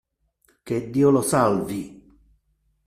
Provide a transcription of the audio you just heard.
Che Dio lo salvi.